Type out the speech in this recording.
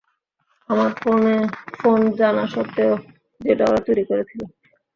আমার ফোন জানা স্বত্বেও যেটা ওরা চুরি করেছিল।